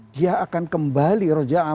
dia akan kembali